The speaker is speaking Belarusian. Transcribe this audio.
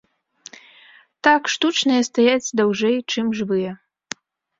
Так, штучныя стаяць даўжэй, чым жывыя.